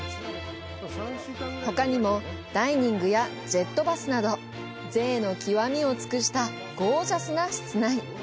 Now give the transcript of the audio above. ほかにも、ダイニングやジェットバスなど、贅の極みを尽くしたゴージャスな室内。